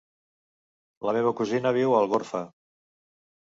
La meva cosina viu a Algorfa.